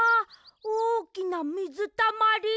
おおきなみずたまり。